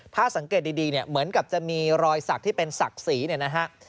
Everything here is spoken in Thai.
ถ้าสังเกตดีเนี่ยเหมือนกับจะมีรอยสักที่เป็นศักดิ์ศรีเนี่ยนะฮะ